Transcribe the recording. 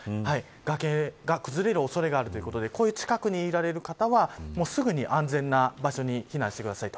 崖が崩れる恐れがあるということで近くにおられる方は、すぐに安全な場所に避難してください。